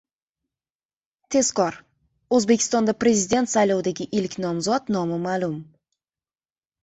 Tezkor! O‘zbekistonda prezident saylovidagi ilk nomzod nomi ma’lum